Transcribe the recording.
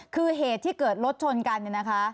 คือเหตุที่เกิดรถชนกันเนี่ยนะคะ